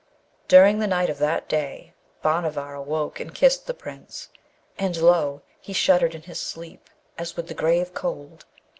During the night of that day Bhanavar awoke and kissed the Prince; and lo! he shuddered in his sleep as with the grave cold.